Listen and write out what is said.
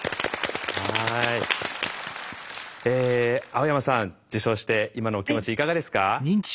青山さん受賞して今のお気持ちいかがですか？